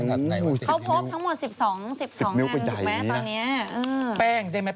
เขาพบทั้งหมด๑๒อันถูกมั้ยตอนนี้